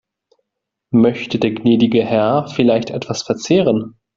Möchte der gnädige Herr vielleicht etwas verzehren?